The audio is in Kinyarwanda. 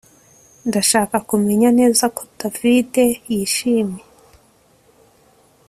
Ndashaka kumenya neza ko David yishimye